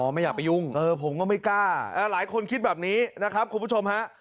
ไม่อยากไปยุ่งผมก็ไม่กล้าหลายคนคิดแบบนี้นะครับคุณผู้ชมฮะ